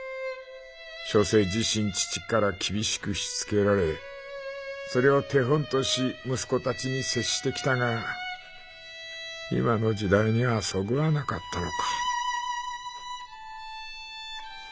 小生自身父から厳しくしつけられそれを手本とし息子たちに接してきたが今の時代にはそぐわなかったのか」。